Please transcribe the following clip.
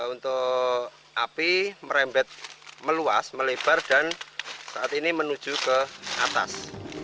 untuk api merembet meluas melebar dan saat ini menuju ke atas